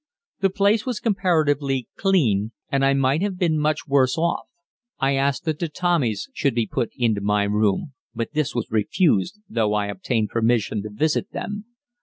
The place was comparatively clean, and I might have been much worse off. I asked that the Tommies should be put into my room, but this was refused, though I obtained permission to visit them.